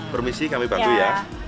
permisi kami bantu ya